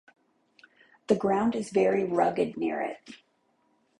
The ground is very rugged near it.